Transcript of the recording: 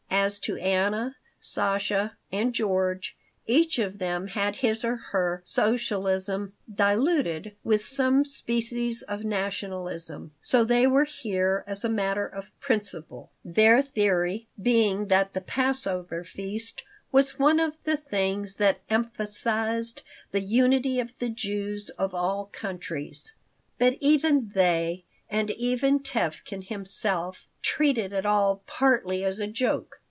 As to Anna, Sasha, and George, each of them had his or her socialism "diluted" with some species of nationalism, so they were here as a matter of principle, their theory being that the Passover feast was one of the things that emphasized the unity of the Jews of all countries. But even they, and even Tevkin himself, treated it all partly as a joke.